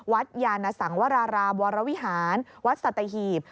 วัดยานสังวรรามวรวิหารวัดสัตยีฮีบ